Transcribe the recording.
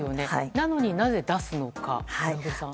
なのになぜ出すのか、小栗さん。